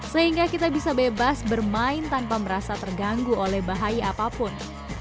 sehingga kita bisa bebas bermain tanpa merasa terganggu oleh bahaya apapun